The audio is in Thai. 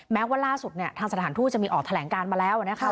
แม้ว่าล่าสุดเนี่ยทางสถานทูตจะมีออกแถลงการมาแล้วนะคะ